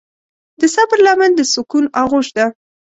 د صبر لمن د سکون آغوش ده.